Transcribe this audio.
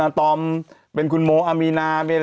เนื้องันใหญ่ยนต์ใหญ่